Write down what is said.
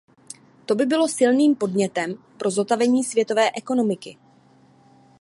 To by bylo silným podnětem pro zotavení světové ekonomiky.